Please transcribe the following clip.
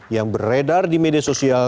yang beredar di media sosial